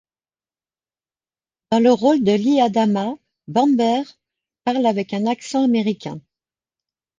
Dans le rôle de Lee Adama, Bamber parle avec un accent américain.